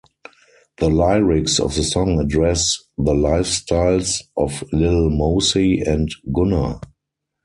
The lyrics of the song address the lifestyles of Lil Mosey and Gunna.